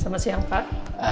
selamat siang pak